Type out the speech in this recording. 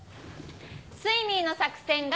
スイミーの作戦が。